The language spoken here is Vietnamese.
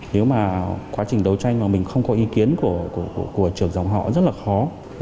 nếu mà quá trình đấu tranh mà mình không có ý kiến của trưởng dòng họ rất là khó